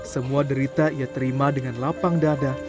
semua derita ia terima dengan lapang dada